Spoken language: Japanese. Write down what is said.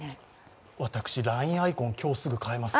私、ＬＩＮＥアイコン、今日すぐ変えます。